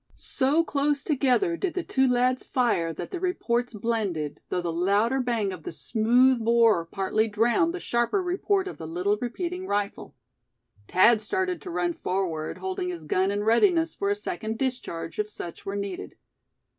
So close together did the two lads fire that the reports blended, though the louder bang of the smooth bore partly drowned the sharper report of the little repeating rifle. Thad started to run forward, holding his gun in readiness for a second discharge, if such were needed.